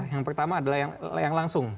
yang pertama adalah yang langsung